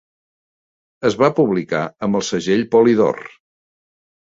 Es va publicar amb el segell Polydor.